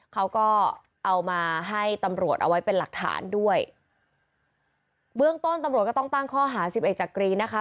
เขาก็เอามาให้ตำรวจเอาไว้เป็นหลักฐานด้วยเบื้องต้นตำรวจก็ต้องตั้งข้อหาสิบเอกจักรีนะคะ